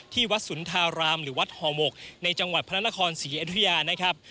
ที่วัดสุนทารามหรือวัดห่อหมกในจังหวัดพระนครศรีอยุธยานะครับ